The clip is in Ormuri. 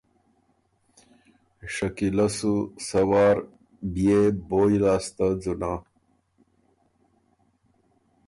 شکیلۀ سُو سۀ وار بيې بویٛ لاسته ځُونَۀ۔